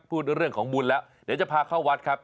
พูดเรื่องของบุญแล้วเดี๋ยวจะพาเข้าวัดครับ